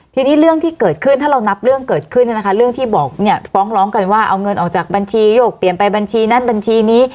ทีนี้เรื่องที่เกิดขึ้นถ้าเรานับเรื่องเกิดขึ้นเนี่ยนะคะเรื่องที่บอกเนี่ยฟ้องร้องกันว่าเอาเงินออกจากบัญชีโยกเปลี่ยนไปบัญชีนั้นบัญชีนี้